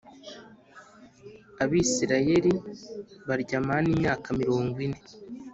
Abisirayeli barya manu imyaka mirongo ine.